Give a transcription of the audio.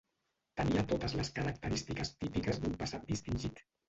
Tenia totes les característiques típiques d'un passat distingit.